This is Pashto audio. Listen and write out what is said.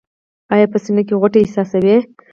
ایا په سینه کې غوټه احساسوئ؟